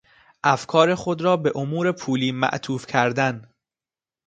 افکار خود را به امور پولی معطوف کردن